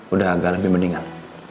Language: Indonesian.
udah agak lebih mendingan